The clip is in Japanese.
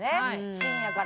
深夜から。